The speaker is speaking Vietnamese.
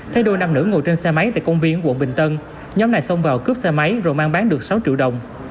thấy đôi nam nữ ngồi trên xe máy tại công viên quận bình tân nhóm này xông vào cướp xe máy rồi mang bán được sáu triệu đồng